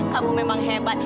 kamu memang hebat